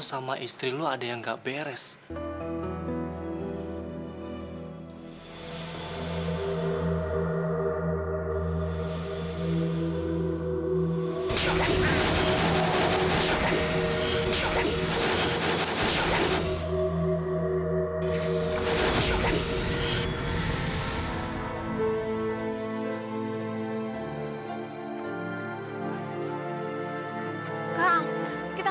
sampai jumpa di video selanjutnya